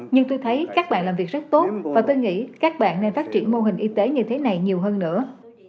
nhưng tôi thấy các bạn làm việc rất tốt và tôi nghĩ các bạn nên phát triển mô hình y tế như thế này nhiều hơn nữa